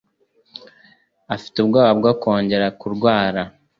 Afite ubwoba bwo kongera kurwara